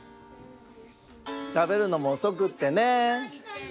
たべるのもおそくってね。